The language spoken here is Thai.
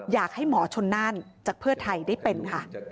อยากให้หมอชนน่านจากเพื่อไทยได้เป็นค่ะ